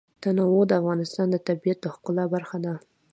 تنوع د افغانستان د طبیعت د ښکلا برخه ده.